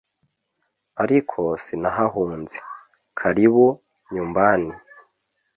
ariko sinahahunze, karibu nyumbani